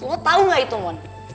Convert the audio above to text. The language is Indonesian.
lo tau gak itu mon